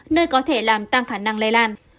nơi có thể làm tăng khả năng lây lan